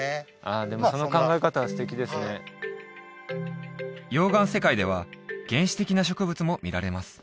でもその考え方は素敵ですね溶岩世界では原始的な植物も見られます